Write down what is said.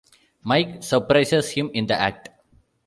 Mike surprises him in the act.